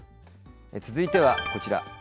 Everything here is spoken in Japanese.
続いてはこちら。